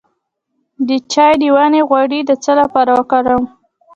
د چای د ونې غوړي د څه لپاره وکاروم؟